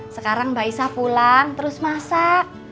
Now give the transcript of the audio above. sekarang mbak isa pulang terus masak